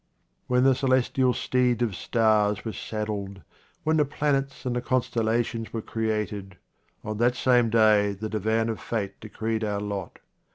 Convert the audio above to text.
When the celestial steed of stars was saddled, when the planets and the constellations were created — on that same day the divan of fate decreed our lot.